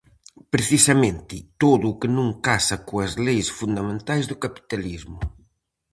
Precisamente todo o que non casa coas leis fundamentais do capitalismo.